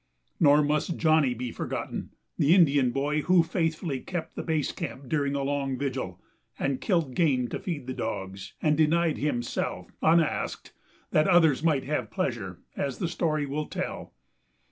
Nor must Johnny be forgotten, the Indian boy who faithfully kept the base camp during a long vigil, and killed game to feed the dogs, and denied himself, unasked, that others might have pleasure, as the story will tell.